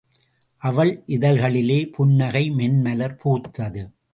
அவள் இதழ்களிலே புன்னகை மென்மலர் பூத்தது.